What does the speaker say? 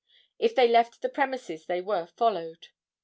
If they left the premises they were followed.